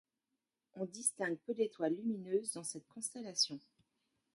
On distingue peu d’étoiles lumineuses dans cette constellation.